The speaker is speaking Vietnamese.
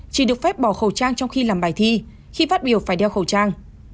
chỉ được phép bỏ khẩu trang trong khi làm bài thi khi phát biểu phải đeo khẩu trang